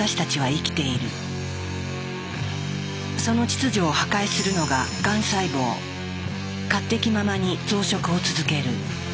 その秩序を破壊するのが勝手気ままに増殖を続ける。